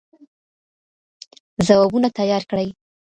ځوابونه تيار کړئ.